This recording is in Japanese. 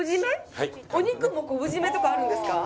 お肉も昆布締めとかあるんですか？